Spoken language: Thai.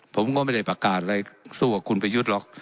ผมก็ไม่ได้ประกาศอะไรสู้กับคุณประยุทธ์หรอก